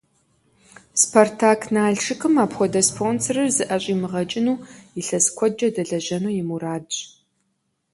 «Спартак-Налшыкым» апхуэдэ спонсорыр зыӀэщӀимыгъэкӀыну, илъэс куэдкӀэ дэлэжьэну и мурадщ.